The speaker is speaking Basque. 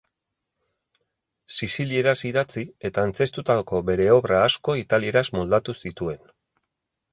Sizilieraz idatzi eta antzeztutako bere obra asko italieraz moldatu zituen.